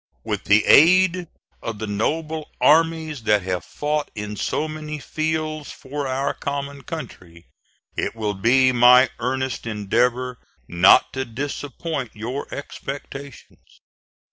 With the aid of the noble armies that have fought in so many fields for our common country, it will be my earnest endeavor not to disappoint your expectations.